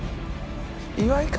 岩井か？